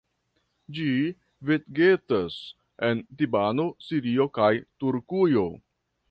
Ĝi vegetas en Libano, Sirio, kaj Turkujo.